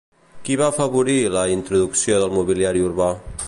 Qui va afavorir la introducció del mobiliari urbà?